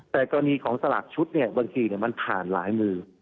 แต่ตรงนี้ของสลากชุดบางทีมันผ่านหลายมือ